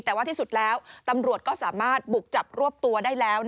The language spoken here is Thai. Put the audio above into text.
แต่ว่าที่สุดแล้วตำรวจก็สามารถบุกจับรวบตัวได้แล้ว